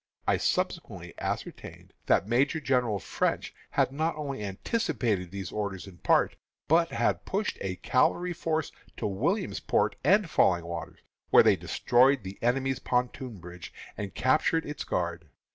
I subsequently ascertained that Major General French had not only anticipated these orders in part, but had pushed a cavalry force to Williamsport and Falling Waters, where they destroyed the enemy's pontoon bridge, and captured its guard.